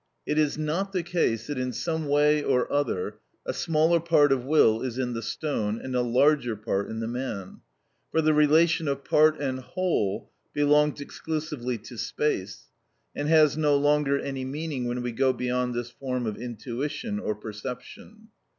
It is not the case that, in some way or other, a smaller part of will is in the stone and a larger part in the man, for the relation of part and whole belongs exclusively to space, and has no longer any meaning when we go beyond this form of intuition or perception.